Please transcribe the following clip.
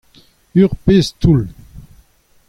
Ur pezh toull.